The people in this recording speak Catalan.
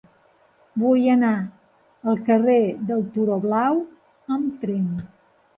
Vull anar al carrer del Turó Blau amb tren.